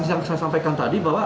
yang saya sampaikan tadi bahwa